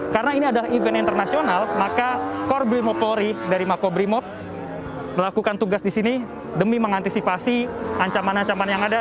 karena ini adalah event internasional maka korbrimopoli dari makobrimop melakukan tugas di sini demi mengantisipasi ancaman ancaman yang ada